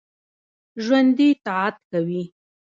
ژوندي طاعت کوي